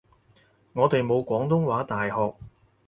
我哋冇廣東話大學